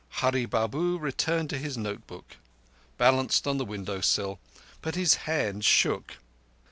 Hurree Babu returned to his note book, balanced on the window sill, but his hand shook.